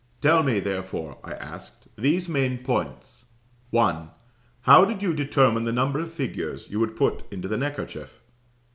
"Tell me, therefore (I asked), these main points: "1. How did you determine the number of figures you would put into the neckerchief?